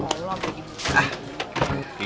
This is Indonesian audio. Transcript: ya allah bagi